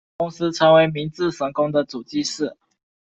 同时成为明治神宫的主祭司。